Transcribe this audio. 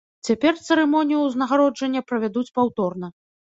Цяпер цырымонію ўзнагароджання правядуць паўторна.